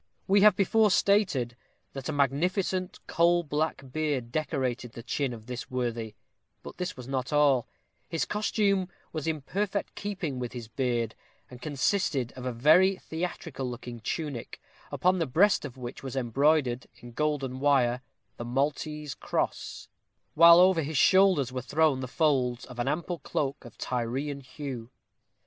We have before stated, that a magnificent coal black beard decorated the chin of this worthy; but this was not all his costume was in perfect keeping with his beard, and consisted of a very theatrical looking tunic, upon the breast of which was embroidered, in golden wire, the Maltese cross; while over his shoulders were thrown the folds of an ample cloak of Tyrian hue.